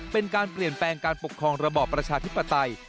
เป็นการเปลี่ยนแปลงการปกครองระบอบประชาธิปไตย